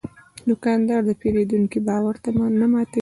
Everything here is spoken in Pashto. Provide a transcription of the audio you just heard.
دوکاندار د پېرودونکي باور نه ماتوي.